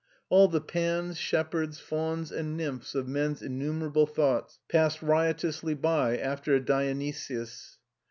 All the Pans, shepherds, fauns, and nymphs of men's innumerable thoughts passed riotously by after a Dionysius.